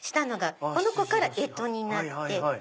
この子から干支になって。